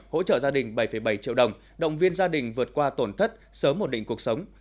hỗ trợ gia đình bảy bảy triệu đồng động viên gia đình vượt qua tổn thất sớm một định cuộc sống